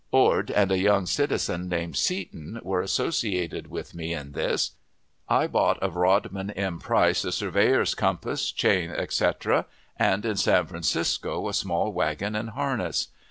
Ord and a young citizen, named Seton, were associated with me in this. I bought of Rodman M. Price a surveyor's compass, chain, etc., and, in San Francisco, a small wagon and harness.